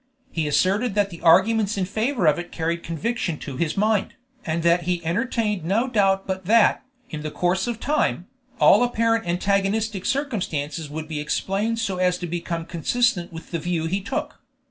He asserted that the arguments in favor of it carried conviction to his mind, and that he entertained no doubt but that, in the course of time, all apparently antagonistic circumstances would be explained so as to become consistent with the view he took.